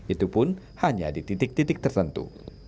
itu pun hanya di titik titik tertentu